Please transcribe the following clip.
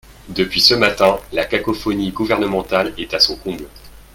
Depuis ce matin, la cacophonie gouvernementale est à son comble.